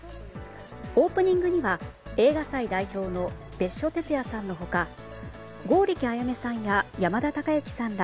オープニングには映画祭代表の別所哲也さんの他剛力彩芽さんや山田孝之さんら